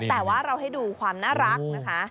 แต่ว่าเราให้ดูความน่ารักนะคะ